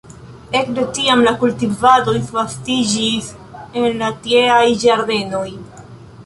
Ekde tiam la kultivado disvastiĝis en la tieaj ĝardenoj.